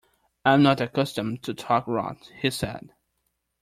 'I am not accustomed to talk rot,' he said.